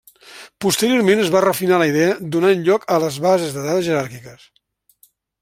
Posteriorment es va refinar la idea donant lloc a les bases de dades jeràrquiques.